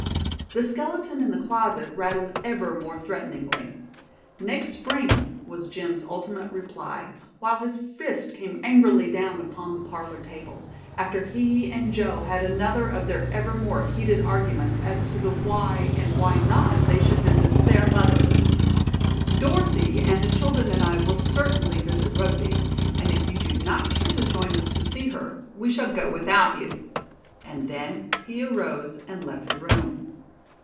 The "skeleton in the closet" rattled ever more threateningly. "Next Spring," was Jim's ultimate reply, while his fist came angrily down upon the parlor table, after he and Joe had another of their evermore heated arguments as to the why and why not they should visit their mother, "Dorothy and the children and I will certainly visit Rugby, and if you do not care to join us to see her, we shall go without you," and then he arose and left the room.